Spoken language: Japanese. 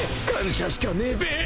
［感謝しかねえべ］